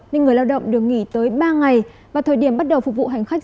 nên người lao động được nghỉ tới ba ngày và thời điểm bắt đầu phục vụ hành khách